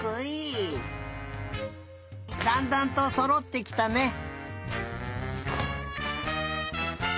だんだんとそろってきたね。